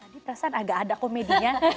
tadi perasaan agak ada komedinya